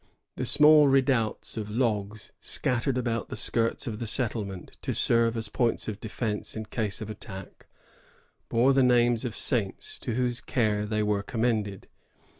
The small redoubts of logs, scattered about the skirts of the settlement to serve as points of defence in ca^e of attack, bore the names of saints, to whose care they were commended.